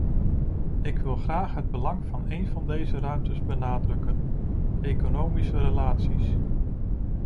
Ik wil graag het belang van een van deze ruimtes benadrukken: economische relaties.